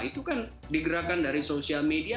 itu kan digerakkan dari social media